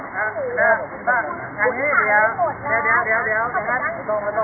ขอบคุณที่ทำดีดีกับแม่ของฉันหน่อยครับ